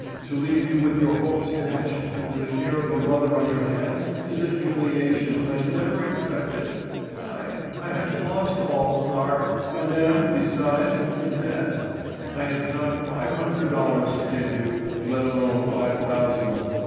To leave you with your hopes dashed, and the care of a mother on your hands, is a humiliation I never expected. I—I have lost all, Clarke, and am, besides, in debt. I have not five hundred dollars to give you, let alone five thousand.